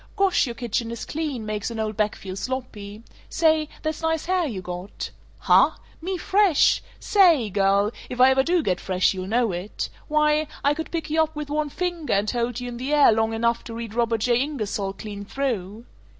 Gosh, your kitchen is clean; makes an old bach feel sloppy. Say, that's nice hair you got. Huh? Me fresh? Saaaay, girl, if I ever do get fresh, you'll know it. Why, I could pick you up with one finger, and hold you in the air long enough to read Robert J. Ingersoll clean through.